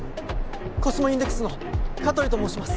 コスモインデックスの香取と申します。